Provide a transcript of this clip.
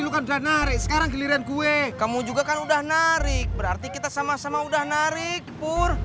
bukan dan nari sekarang giliran gue kamu juga kan udah narik berarti kita sama sama udah narik pur